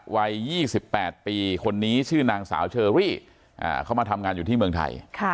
วัย๒๘ปีคนนี้ชื่อนางสาวเชอรี่เขามาทำงานอยู่ที่เมืองไทย